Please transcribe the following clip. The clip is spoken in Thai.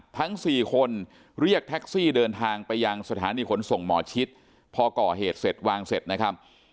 ทั้งสี่คนเรียกแท็กซี่เดินทางไปยังสถานีขนส่งหมอชิดพอก่อเหตุเสร็จวางเสร็จนะครับ